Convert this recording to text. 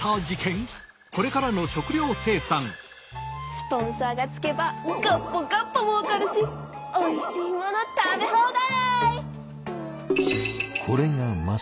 スポンサーがつけばガッポガッポもうかるしおいしいもの食べ放題！